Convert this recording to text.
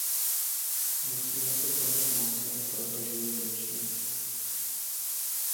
Musíme se klanět moci jen proto, že je větší?